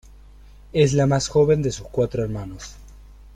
Es la más joven de sus cuatro hermanos.